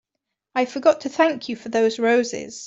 I forgot to thank you for those roses.